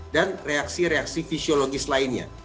reaksi reaksi fisiologis lainnya